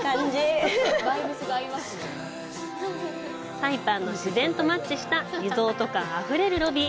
サイパンの自然とマッチしたリゾート感あふれるロビー。